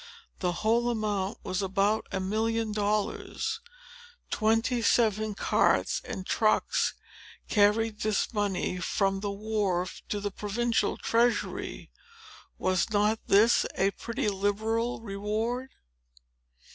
The whole amount was about a million of dollars. Twenty seven carts and trucks carried this money from the wharf to the provincial treasury. Was not this a pretty liberal reward?"